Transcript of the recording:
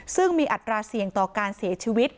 ซึ่งมีอัตราเสี่ยงต่อการเสียชีวิต